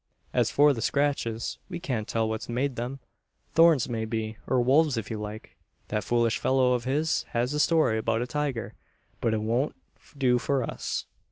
As for the scratches, we can't tell what's made them. Thorns may be; or wolves if you like. That foolish fellow of his has a story about a tiger; but it won't do for us."